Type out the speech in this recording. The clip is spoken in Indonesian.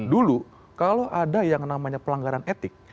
dulu kalau ada yang namanya pelanggaran etik